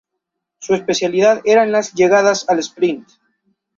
Su especialidad eran las llegadas al sprint.